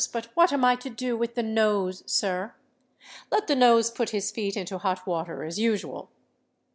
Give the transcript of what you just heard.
"But what am I to do with the Nose, sir?" "Let the Nose put his feet into hot water as usual."